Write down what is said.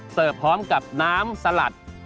เสิร์ฟพร้อมกับน้ำสลัด